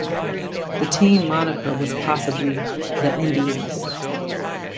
The team moniker was possibly the "Indians".